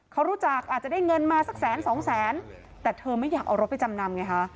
เขารู้จักอาจจะได้เงินมาสักแสนสองแสนแต่เธอไม่อยากเอารถไปจำนำไงฮะ